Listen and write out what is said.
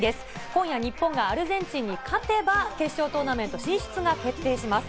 今夜、日本がアルゼンチンに勝てば決勝トーナメント進出が決定します。